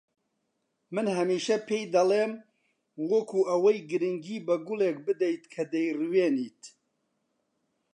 من هەمیشە پێی دەڵێم وەکو ئەوەی گرنگی بە گوڵێک بدەیت کە دەیڕوێنیت